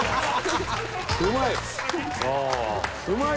うまい！